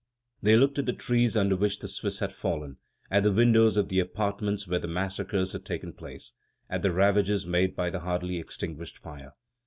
They looked at the trees under which the Swiss had fallen, at the windows of the apartments where the massacres had taken place, at the ravages made by the hardly extinguished fire.